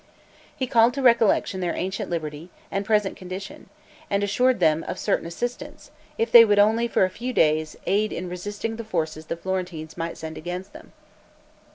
He called to recollection their ancient liberty and present condition, and assured them of certain assistance, if they would only, for a few days, aid in resisting the forces the Florentines might send against them.